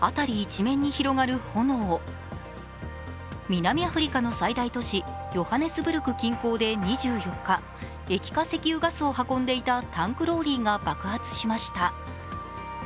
南アフリカの最大都市・ヨハネスブルク近郊で２４日、液化石油ガスを運んでいたタンクローリーが爆発しました。